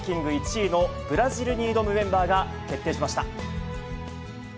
１位のブラジルに挑むメンバーが決定しました。